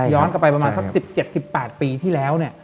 กลับไปประมาณสัก๑๗๑๘ปีที่แล้ว